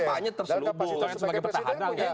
dan kampanye sebagai presiden